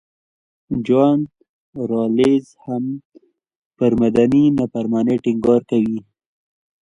جان رالز هم پر مدني نافرمانۍ ټینګار کوي.